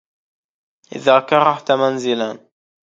إذا كرهت منزلا